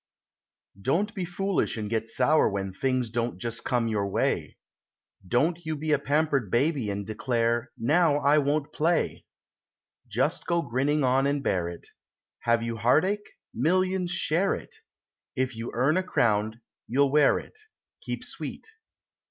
Don't be foolish and get sour when things don't just come your way Don't you be a pampered baby and declare, "Now I won't play!" Just go grinning on and bear it; Have you heartache? Millions share it, If you earn a crown, you'll wear it Keep sweet.